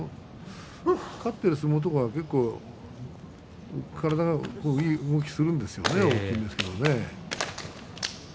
勝っている相撲とかは結構体はいい動きをするんですよね大きいですけれど。